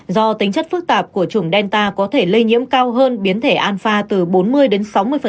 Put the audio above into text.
do tính chất phức tạp của chủng delta có thể lây nhiễm cao hơn biến thể anfa từ bốn mươi đến sáu mươi